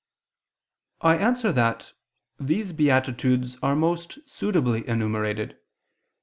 I answer that, These beatitudes are most suitably enumerated.